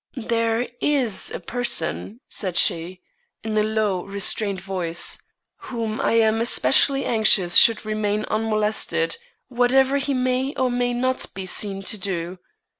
"There is a person," said she, in a low, restrained voice, "whom I am especially anxious should remain unmolested, whatever he may or may not be seen to do.